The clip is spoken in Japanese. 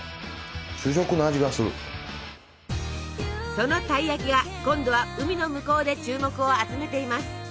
そのたい焼きが今度は海の向こうで注目を集めています！